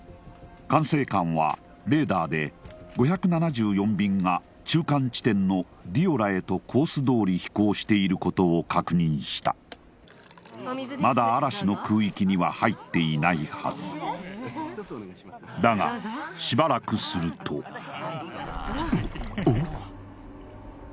管制官はレーダーで５７４便が中間地点のディオラへとコースどおり飛行していることを確認したまだ嵐の空域には入っていないはずだがしばらくすると・おっ？